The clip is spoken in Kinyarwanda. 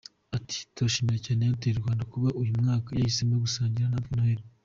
Ati “Turashimira cyane Airtel Rwanda kuba uyu mwaka yahisemo gusangira natwe noheli.